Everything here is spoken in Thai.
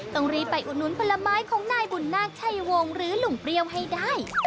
ต้องรีบไปอุดหนุนผลไม้ของนายบุญนาคชัยวงศ์หรือลุงเปรี้ยวให้ได้